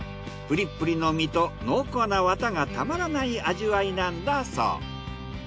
プリップリの身と濃厚なワタがたまらない味わいなんだそう。